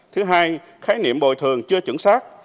thứ hai khái niệm bồi thường chưa chứng xác